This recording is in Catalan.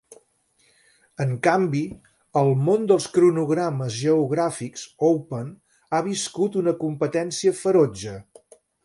En canvi, el món dels cronogrames geogràfics "open" ha viscut una competència ferotge.